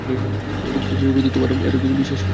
গুপ্তচরের প্রতি তোমার এতো বিশ্বাস?